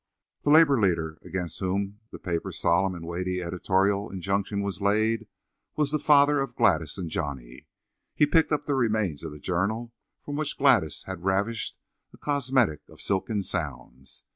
The labour leader against whom the paper's solemn and weighty editorial injunction was laid was the father of Gladys and Johnny. He picked up the remains of the journal from which Gladys had ravished a cosmetic of silken sounds.